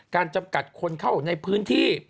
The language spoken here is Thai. จำกัดคนเข้าในพื้นที่